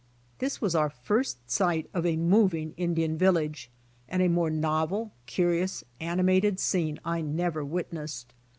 This was our first sight of a moving Indian vil lage and a more novel, curious, animated scene I never witnessed.